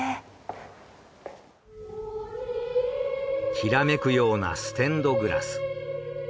きらめくようなステンドグラス。